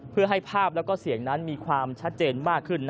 เพื่อให้ภาพและเสียงนั้นมีความชัดเจนมากขึ้น